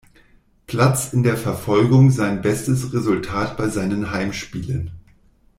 Platz in der Verfolgung sein bestes Resultat bei seinen „Heimspielen“.